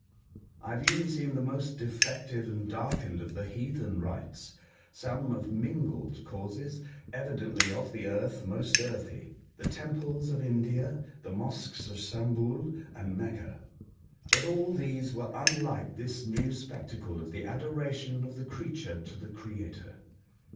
I have even seen the most defective and darkened of the heathen rites — some of mingled causes, evidently of the earth most earthy; the temples of India, the mosques of Stamboul and Mecca. But all these were unlike this new spectacle of the adoration of the creature to the Creator.